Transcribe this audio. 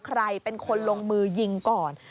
ใครเป็นคนลงมือยิงก่อน